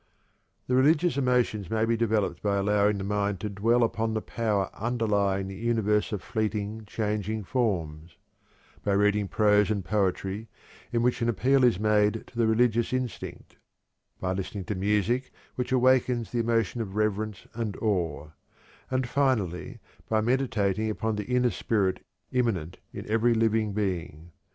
'" The religious emotions may be developed by allowing the mind to dwell upon the Power underlying the universe of fleeting, changing forms; by reading prose and poetry in which an appeal is made to the religious instinct; by listening to music which awakens the emotion of reverence and awe; and, finally, by meditating upon the inner spirit immanent in every living being.